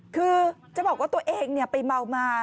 คือจะบอกว่าตัวเองไปเมามา